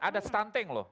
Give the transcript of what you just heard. ada stunting loh